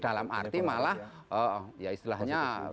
dalam arti malah ya istilahnya